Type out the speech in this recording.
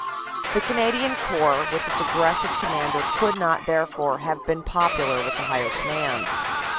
The Canadian Corps, with its aggressive Commander, could not therefore have been popular with the higher command.